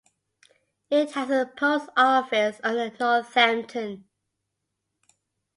It has a post-office under Northampton.